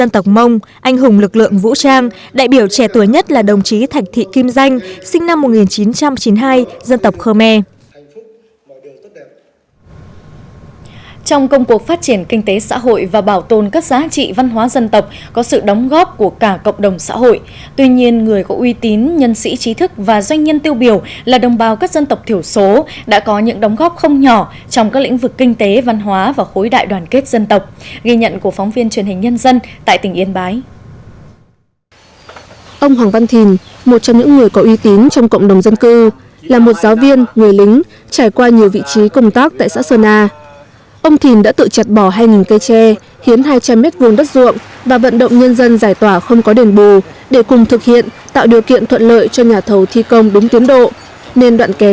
trong cuộc phát triển kinh tế xã hội và bảo tồn các dân tộc thiểu số đã có những đóng góp không nhỏ trong các lĩnh vực kinh tế